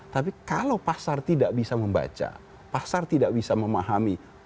tapi kalau pasar tidak bisa membaca pasar tidak bisa memahami